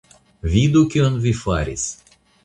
Vidu kion vi faris!